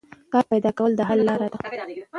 کار پیدا کول د حل لار ده.